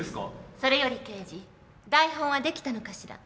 それより圭次台本は出来たのかしら？